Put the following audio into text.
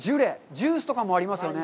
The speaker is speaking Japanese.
ジュースとかもありますね。